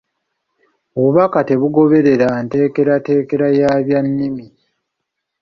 Obubaka tebugoberera nteekerateekera y’abyannimi.